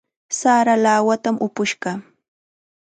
Sara lawatam upush kaa.